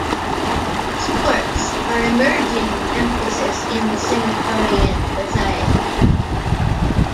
Sports are an emerging emphasis in the Singaporean society.